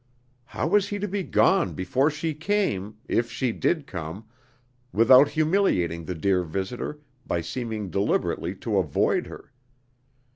How was he to be gone before she came if she did come without humiliating the dear visitor by seeming deliberately to avoid her?